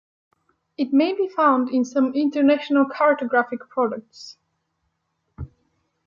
It may be found in some international cartographic products.